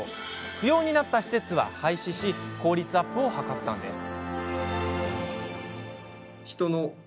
不要になった施設は廃止し効率アップを図ったんです。